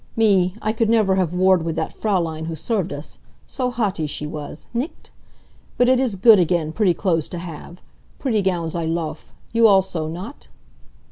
Me, I could never have warred with that Fraulein who served us so haughty she was, nicht? But it is good again pretty clothes to have. Pretty gowns I lofe you also, not?"